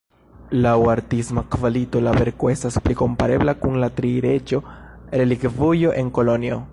Laŭ artisma kvalito la verko estas pli komparebla kun la Tri-Reĝo-Relikvujo en Kolonjo.